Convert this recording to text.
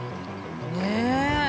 ねえ！